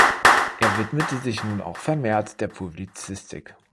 Er widmete sich nun auch vermehrt der Publizistik.